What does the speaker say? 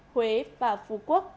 huế và phú quốc